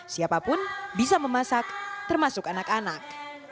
siapapun bisa memasak termasuk anak anak